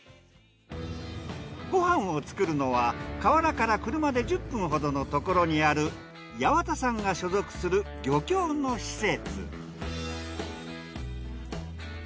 ご飯を作るのは河原から車で１０分ほどのところにある矢幡さんが所属する漁協の施設。